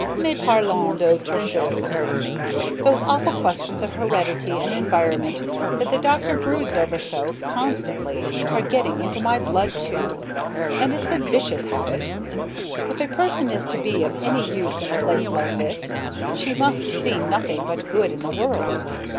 MAIS PARLONS D'AUTRES CHOSES! Those awful questions of heredity and environment that the doctor broods over so constantly are getting into my blood, too; and it's a vicious habit. If a person is to be of any use in a place like this, she must see nothing but good in the world.